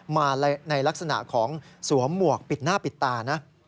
มาในลักษณะของสวมหมวกปิดหน้าปิดตานะ